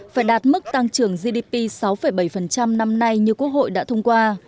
phải đạt mức tăng trưởng gdp sáu bảy năm nay như quốc hội đã thông qua